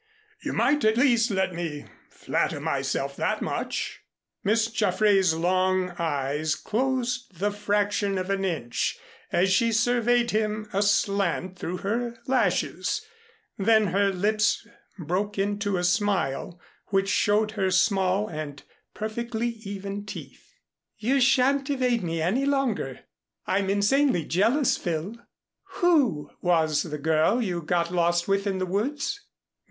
You might at least let me flatter myself that much." Miss Jaffray's long eyes closed the fraction of an inch, as she surveyed him aslant through her lashes, then her lips broke into a smile which showed her small and perfectly even teeth. "You shan't evade me any longer. I'm insanely jealous, Phil. Who was the girl you got lost with in the woods?"